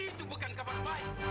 itu bukan kabar baik